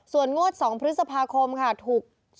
ส่วนงวด๒พฤษภาคมค่ะถูก